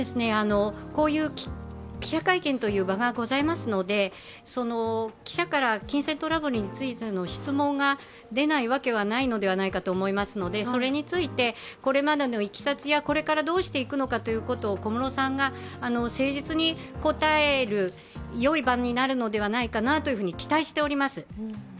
こういう記者会見という場がございますので記者から金銭トラブルについての質問が出ないわけはないと思いますのでそれについて、これまでのいきさつや、これからどうしていくのかということを小室さんが誠実に答える、よい場になるのではないかと期待しております。